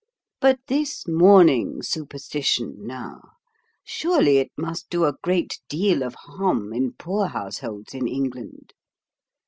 But this mourning superstition, now surely it must do a great deal of harm in poor households in England.